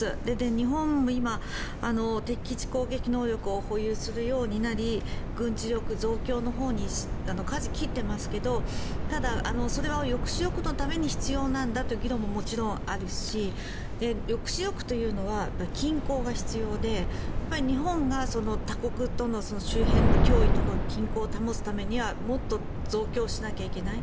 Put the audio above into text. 日本も今、敵基地攻撃能力を保有するようになり軍事力増強のほうにかじを切っていますけどただ、それは抑止力のために必要なんだという議論ももちろんあるし抑止力というのは均衡が必要で、日本が他国との周辺脅威との均衡を保つためにはもっと増強しなきゃいけない。